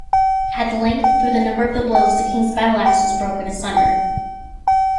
At length through the number of the blows, the king's battle-axe was broken asunder.